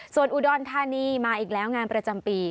ส่วนอุดรธานีมาอีกแล้วงานประจำปี